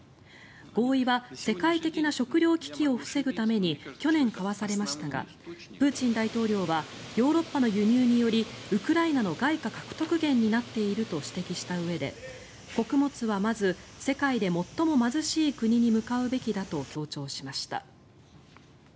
合意は世界的な食糧危機を防ぐために去年、交わされましたがプーチン大統領はヨーロッパの輸入によりウクライナの外貨獲得源になっていると指摘したうえで穀物はまず世界で最も貧しい国に向かうべきだと強調しました。